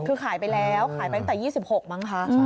คือขายไปแล้วขายไปตั้งแต่๒๖มั้งคะ